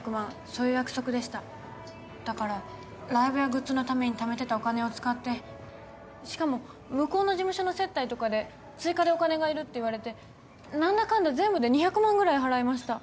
そういう約束でしただからライブやグッズのために貯めてたお金を使ってしかも向こうの事務所の接待とかで追加でお金がいるって言われて何だかんだ全部で２００万ぐらい払いました